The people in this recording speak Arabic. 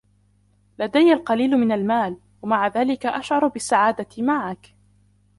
لدي القليل من المال, مع ذلك اشعر بالسعادة معك.